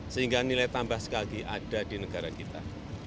sehingga nilai tambah sekali lagi ada di negara kita